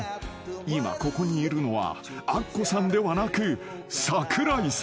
今ここにいるのはアッコさんではなく桜井さんです］